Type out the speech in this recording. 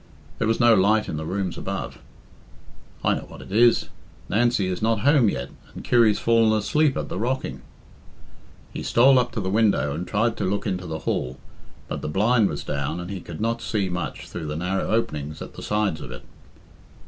There was no light in the rooms above. "I know what it is. Nancy is not home yet, and Kirry's fallen asleep at the rocking." He stole up to the window and tried to look into the hall, but the blind was down, and he could not see much through the narrow openings at the sides of it.